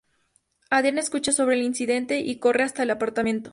Adrian escucha sobre el incidente y corre hasta el apartamento.